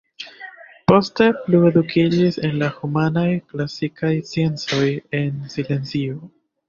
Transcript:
Poste plu edukiĝis en la humanaj-klasikaj sciencoj en Silezio.